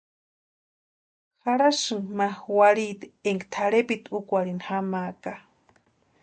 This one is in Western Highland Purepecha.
¿Jarhasïnki ma warhiti énka tʼarhepiti úkwarhini jamaaka?